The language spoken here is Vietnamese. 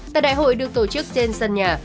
tại đại hội được tổ chức trên sân nhà